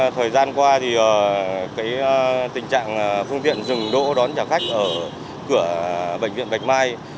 thời gian qua thì tình trạng phương tiện dừng đỗ đón trả khách ở cửa bệnh viện bạch mai